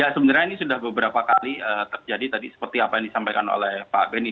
sebenarnya ini sudah beberapa kali terjadi seperti apa yang disampaikan oleh pak benny